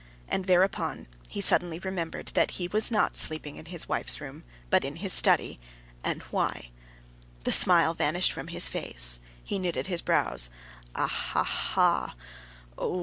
And thereupon he suddenly remembered that he was not sleeping in his wife's room, but in his study, and why: the smile vanished from his face, he knitted his brows. "Ah, ah, ah! Oo!..."